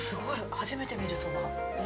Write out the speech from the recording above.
初めて見るそば。